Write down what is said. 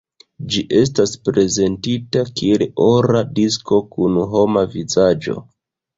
Ĝi estis prezentita kiel ora disko kun homa vizaĝo.